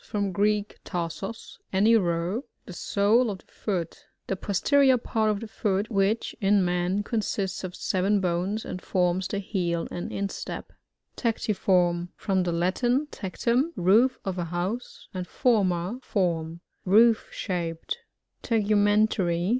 — From the Greek, tarsos^ any row, the sole of the foot The posterior part of the foot, which, in roan, consists of seven bones, and forms the heel and instepw TiOTiFORM .— From the Latin tectum^ roof of a house, and forma^ fi>rm« Roofshaped. TiouMKNTARY.